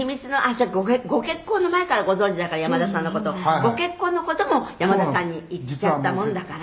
そうかご結婚の前からご存じだから山田さんの事」「ご結婚の事も山田さんに言っちゃったもんだから」